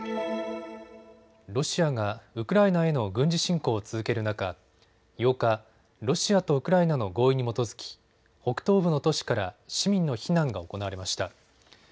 ロシアがウクライナへの軍事侵攻を続ける中、８日、ロシアとウクライナの合意に基づき北東部の都市から市民の避難が行われました。